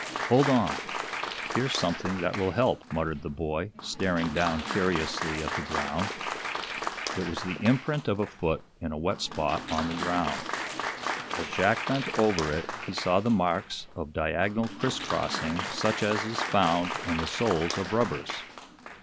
"Hold on! Here's something that will help," muttered the boy, staring down curiously at the ground. It was the imprint of a foot in a wet spot on the ground. As Jack bent over it he saw the marks of diagonal criss crossing such as is found in the soles of rubbers.